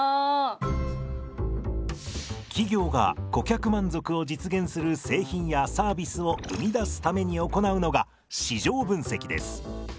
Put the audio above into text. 企業が顧客満足を実現する製品やサービスを生み出すために行うのが市場分析です。